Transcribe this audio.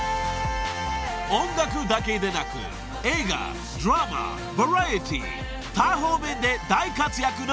［音楽だけでなく映画ドラマバラエティー多方面で大活躍の］